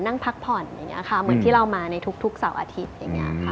นั่งพักผ่อนอย่างนี้ค่ะเหมือนที่เรามาในทุกเสาร์อาทิตย์อย่างนี้ค่ะ